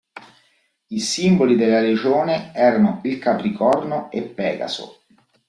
I simboli della legione erano il Capricorno e Pegaso.